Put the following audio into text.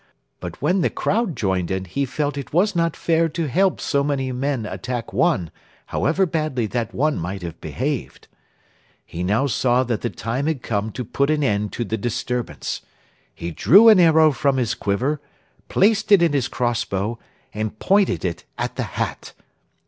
But when the crowd joined in he felt that it was not fair to help so many men attack one, however badly that one might have behaved. He now saw that the time had come to put an end to the disturbance. He drew an arrow from his quiver, placed it in his crossbow, and pointed it at the hat.